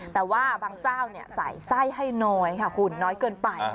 แต่ว่าบางเจ้าใส่ไส้ให้น้อยค่ะคุณน้อยเกินไป